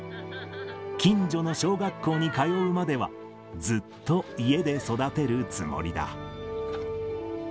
近所の小学校に通うまでは、ずっと家で育てるつもりだ。